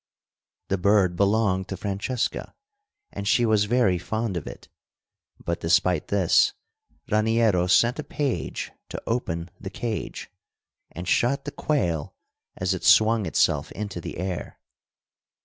The bird belonged to Francesca, and she was very fond of it; but, despite this, Raniero sent a page to open the cage, and shot the quail as it swung itself into the air.